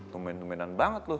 tuminan tuminan banget lu